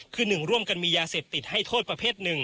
คือ๑ร่วมกันมียาเสพติดให้โทษประเภท๑